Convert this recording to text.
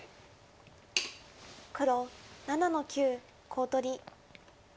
黒７の九コウ取り。